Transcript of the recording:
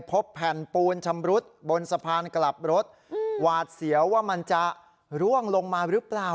พบแผ่นปูนชำรุดบนสะพานกลับรถหวาดเสียวว่ามันจะร่วงลงมาหรือเปล่า